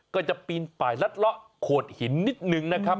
ก็จะปีนไปแล้วเลาะโขดหินนิดหนึ่งนะครับ